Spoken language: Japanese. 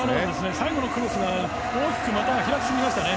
最後のクロスが大きく股が開きすぎましたね。